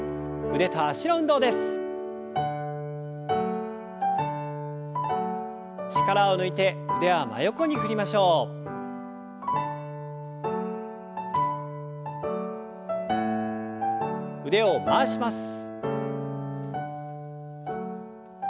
腕を回します。